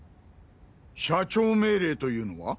社長命令というのは？